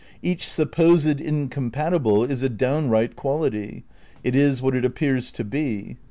Each supposed incompatible is a downright quality. It is what it appears to be.